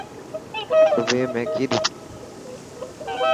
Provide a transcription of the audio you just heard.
سڀني ۾ ڪئي ڏٺو.